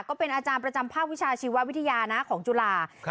ก็เป็นอาจารย์ประจำภาควิชาชีววิทยานะของจุฬา